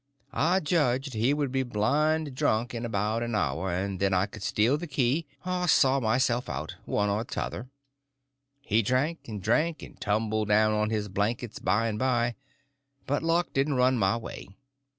I judged he would be blind drunk in about an hour, and then I would steal the key, or saw myself out, one or t'other. He drank and drank, and tumbled down on his blankets by and by; but luck didn't run my way.